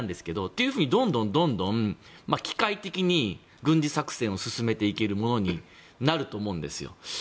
というふうに、どんどん機械的に軍事作戦を進めていけるものになると思うんですよ。